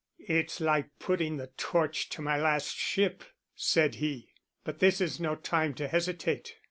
"It's like putting the torch to my last ship," said he; "but this is no time to hesitate.